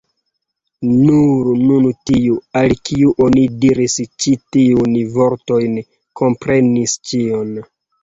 Nur nun tiu, al kiu oni diris ĉi tiujn vortojn, komprenis ĉion.